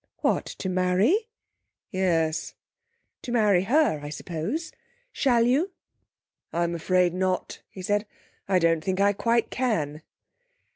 'What, to marry?' 'Yes.' 'To marry her, I suppose? Shall you?' 'I'm afraid not,' he said. 'I don't think I quite can.'